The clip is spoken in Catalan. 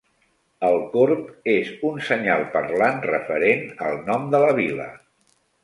El corb és un senyal parlant referent al nom de la vila.